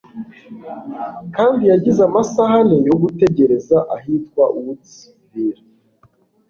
Kandi yagize amasaha ane yo gutegereza ahitwa Woodsville